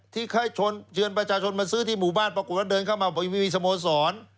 ที่เชิญประชาชนมาซื้อที่หมู่บ้านปรากฏแล้วเดินเข้ามาบอกยังไม่มีสโมสร